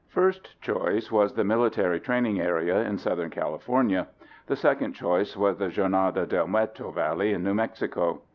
First choice was the military training area in southern California. The second choice, was the Jornada del Muerto Valley in New Mexico.